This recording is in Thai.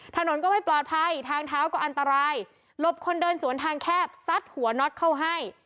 ถนนก็ไม่ปลอดภัยทางเท้าก็อันตรายหลบคนเดินสวนทางแคบซัดหัวน็อตเข้าให้